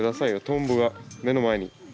トンボが目の前に。